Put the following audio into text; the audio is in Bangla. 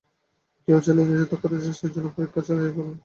কেউ চাইলে নিজের দক্ষতা যাচাইয়ের জন্য পরীক্ষা দিয়ে ফলাফল জানতে পারবে।